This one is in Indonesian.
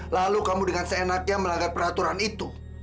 lalu kamu dengan seenaknya melanggar peraturan itu